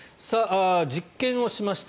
実験をしました。